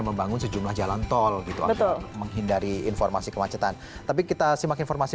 membangun sejumlah jalan tol gitu untuk menghindari informasi kemacetan tapi kita simak informasi